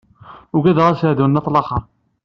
Ugadeɣ asardun n at laxert.